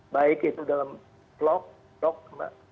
baik itu dalam blog mbak